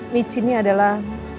michi ini adalah